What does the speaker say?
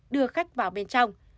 đưa khách vào bên trong